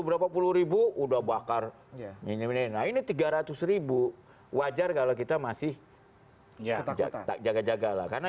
berapa puluh ribu udah bakar ini tiga ratus ribu wajar kalau kita masih ya tak jaga jaga lah karena